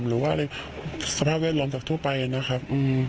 หรือว่าอะไรสภาพแวดล้อมจากทั่วไปนะครับ